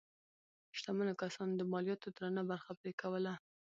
شتمنو کسانو د مالیاتو درنه برخه پرې کوله.